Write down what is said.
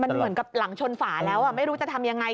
เหมือนกับหลังชนฝาแล้วไม่รู้จะทำยังไง